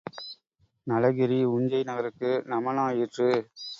நளகிரி உஞ்சை நகருக்கு நமனாயிற்று.